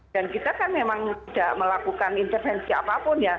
dan kita kan memang tidak melakukan intervensi apapun